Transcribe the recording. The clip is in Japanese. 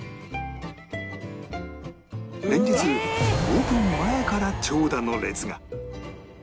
連日オープン前から長蛇の列が